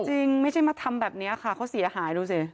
จริงไม่ใช่มาทำแบบนี้ค่ะเขาเสียหายดูสิ